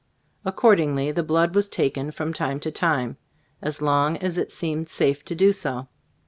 Accordingly, the blood was taken from time to time, as long as it seemed safe to do so.